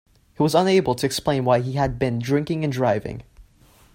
He was unable to explain why he had been drinking and driving